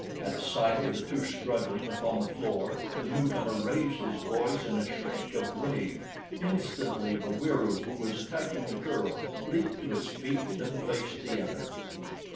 At sight of the two struggling upon the floor the newcomer raised his voice in a shriek of rage. Instantly the Wieroo who was attacking the girl leaped to his feet and faced the other.